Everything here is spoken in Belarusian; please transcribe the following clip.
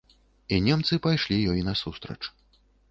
І немцы пайшлі ёй насустрач.